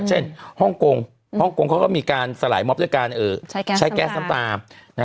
ฮ่องกงฮ่องกงเขาก็มีการสลายมอบด้วยการใช้แก๊สน้ำตา